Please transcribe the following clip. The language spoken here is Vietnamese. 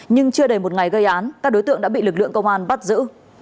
nhưng chưa đầy một ngày gây án các đối tượng đã bị lực lượng công an bắt giữ